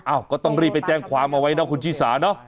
ก็ต้องรีบไปแจ้งความเอาไว้นะคุณชิสาเนอะ